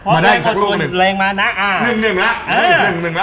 มาได้อีกสักรูปหนึ่ง